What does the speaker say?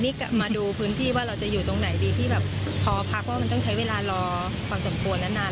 นี่มาดูพื้นที่ว่าเราจะอยู่ตรงไหนดีที่แบบพอพักว่ามันต้องใช้เวลารอพอสมควรนาน